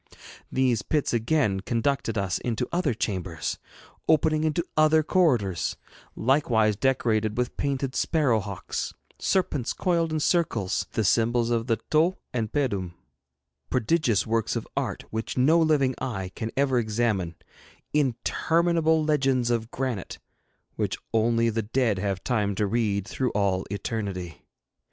These pits again conducted us into other chambers, opening into other corridors, likewise decorated with painted sparrow hawks, serpents coiled in circles, the symbols of the tau and pedum prodigious works of art which no living eye can ever examine interminable legends of granite which only the dead have time to read through all eternity.